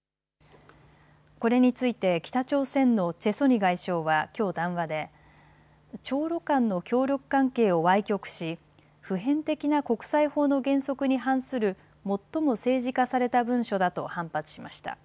これについて北朝鮮のチェ・ソニ外相はきょう談話で朝ロ間の協力関係をわい曲し普遍的な国際法の原則に反する最も政治化された文書だと反発しました。